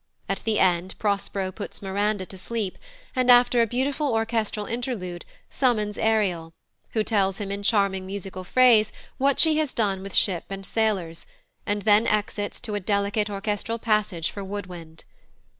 At the end Prospero puts Miranda to sleep, and after a beautiful orchestral interlude summons Ariel, who tells him in charming musical phrase what she has done with ship and sailors, and then exits to a delicate orchestral passage for wood wind.